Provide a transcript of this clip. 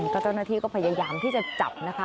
ก็เจ้าหน้าที่ก็พยายามที่จะจับนะคะ